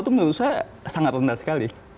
itu menurut saya sangat rendah sekali